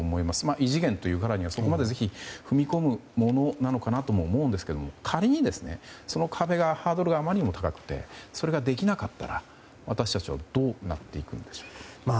異次元というからにはそこまで踏み込むものかなと思うんですが、仮にその壁があまりにもハードルが高くてそれができなかったら私たちはどうなっていくんでしょうか？